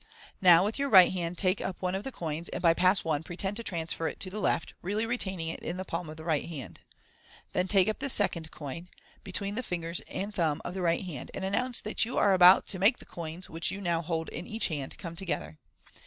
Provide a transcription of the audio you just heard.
Now with your right hand take up ona of the coins, and by Pass 1 pretend to transfer it to the left, really retaining it in the palm of the right hand. Then take up the second coin between the fingers and thumb of the right hand, and announce that you are about to make the coins, which you now hold in each hand, come together.